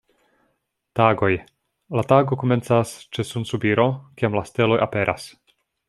Tagoj: la tago komencas ĉe sunsubiro, kiam la steloj aperas.